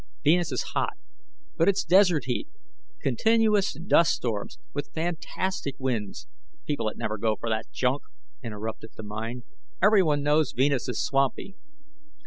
"Venus is hot, but it's desert heat. Continuous dust storms with fantastic winds " "People'd never go for that junk," interrupted the Mind. "Everyone knows Venus is swampy."